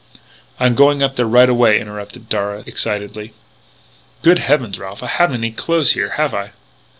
"I'm going up there right away," interrupted Darragh excitedly. " Good heavens, Ralph, I haven't any clothes here, have I?"